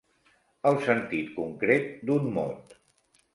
El sentit concret d'un mot.